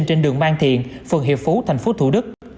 trên đường mang thiện phường hiệp phú thành phố thủ đức